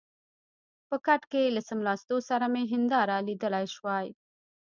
په کټ کې له څملاستو سره مې هنداره لیدلای شوای.